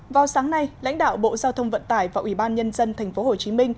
vào sáng nay lãnh đạo bộ giao thông vận tải và ủy ban nhân dân tp hcm